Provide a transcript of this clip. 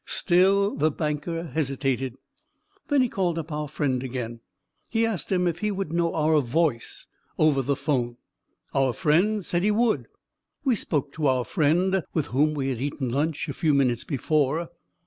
Still the banker hesitated. Then he called up our friend again. He asked him if he would know our voice over the phone. Our friend said he would. We spoke to our friend, with whom we had eaten lunch a few minutes before.